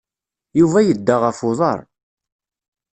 Yuba yedda ɣef uḍaṛ.